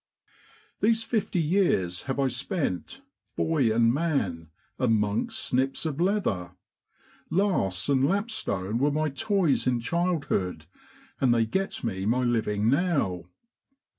* These fifty years have I spent, boy and man, amongst snips of leather; lasts and lapstone were my toys in childhood, and they get me my living now.